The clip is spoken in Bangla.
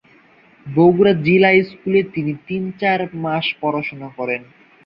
বগুড়া জিলা স্কুলে তিনি তিন-চার মাস পড়াশুনা করেন।